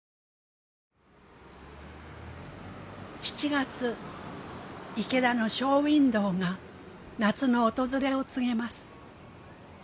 ７月池田のショーウィンドーが夏の訪れを告げます。